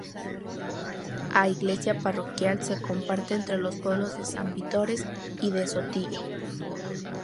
A iglesia Parroquial se comparte entre los pueblos de San Vitores y de Sotillo.